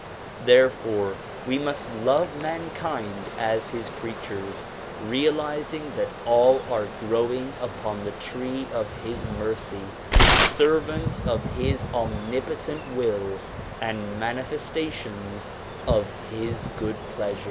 Therefore we must love mankind as his creatures, realizing that all are growing upon the tree of his mercy, servants of his omnipotent will and mani festations of his good pleasure.